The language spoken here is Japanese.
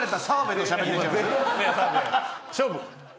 勝負！